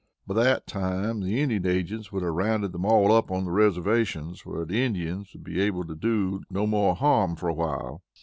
By that time the Indian agents would have rounded them all up on the reservations, where the Indians would be able to do no more harm for a while.